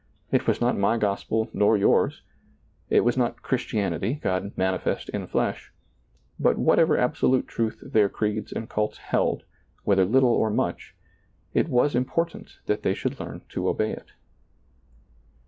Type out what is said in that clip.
It was not my gospel nor yours; it was not Christianity, God manifest in flesh; but whatever absolute truth their creeds and cults held, whether little or much, it was important that they should learn to obey it.